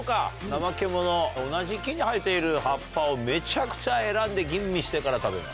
ナマケモノ、同じ木に生えている葉っぱをめちゃくちゃ選んで吟味してから食べる。